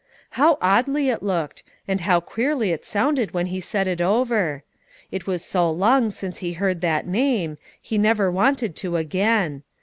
How oddly it looked, and how queerly it sounded when he said it over! It was so long since he heard that name, he never wanted to again.